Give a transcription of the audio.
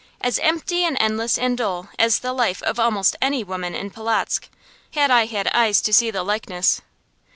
As empty and endless and dull as the life of almost any woman in Polotzk, had I had eyes to see the likeness.